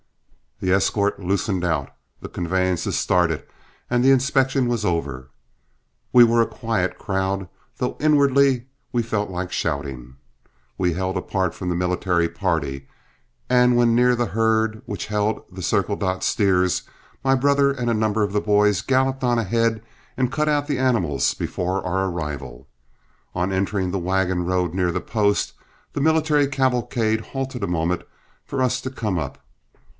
The escort loosened out, the conveyances started, and the inspection was over. We were a quiet crowd, though inwardly we all felt like shouting. We held apart from the military party, and when near the herd which held the "Circle Dot" steers, my brother and a number of the boys galloped on ahead and cut out the animals before our arrival. On entering the wagon road near the post, the military cavalcade halted a moment for us to come up.